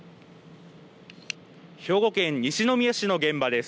兵庫県西宮市の現場です。